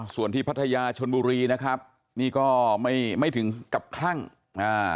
ส่วนที่พัทยาชนบุรีนะครับนี่ก็ไม่ไม่ถึงกับคลั่งอ่า